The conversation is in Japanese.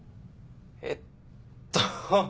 えっと。